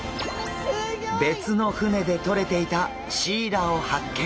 別の船でとれていたシイラを発見！